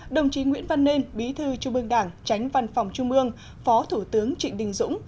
đồng chí nguyễn văn nên bí thư trung ương đảng tránh văn phòng trung ương phó thủ tướng trịnh đình dũng